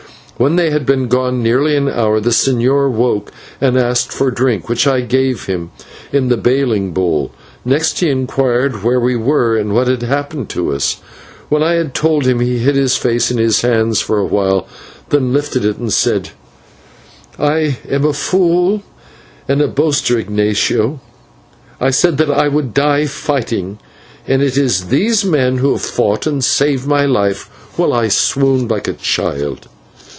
When they had been gone nearly an hour, the señor awoke and asked for drink, which I gave him in the baling bowl. Next he inquired where we were and what had happened to us. When I had told him he hid his face in his hands for a while, then lifted it and said: "I am a fool and a boaster, Ignatio. I said that I would die fighting, and it is these men who have fought and saved my life while I swooned like a child."